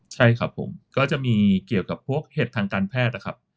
ใช่ครับผมก็จะมีเกี่ยวกับพวกเห็บทางการแพทย์นะครับ